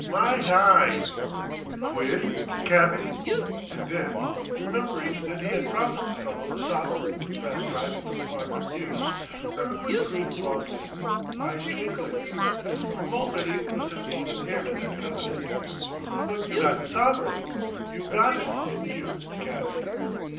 My heye!" "Quid, cabby?" And then, remembering that he had promised the fellow a sovereign for fast driving from Quadrant Mews, Kirkwood grinned broadly, eyes twinkling; for Mulready must have fallen heir to that covenant. "But you got the sovereign? You got it, didn't you, cabby?"